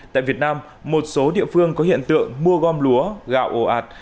tại việt nam một số địa phương có hiện tượng mua gom lúa gạo ổ ạt